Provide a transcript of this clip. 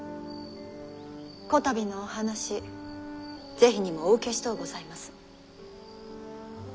こたびのお話是非にもお受けしとうございます。